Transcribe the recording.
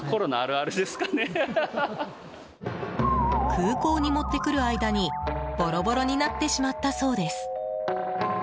空港に持ってくる間にボロボロになってしまったそうです。